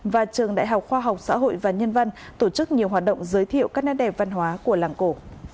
và trường đại học khoa học xã hội và nhân văn tổ chức nhiều hoạt động giới thiệu các nét đẹp văn hóa của làng cổ